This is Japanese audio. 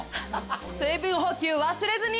水分補給忘れずに。